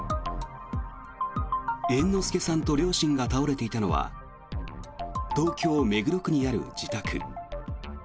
猿之助さんと両親が倒れていたのは東京・目黒区にある自宅。